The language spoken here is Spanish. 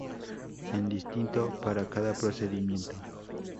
Es distinto para cada procedimiento.